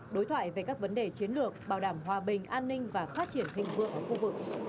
đối thoại về các vấn đề chiến lược bảo đảm hòa bình an ninh và phát triển thịnh vượng ở khu vực